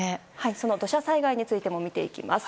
その土砂災害についても見ていきます。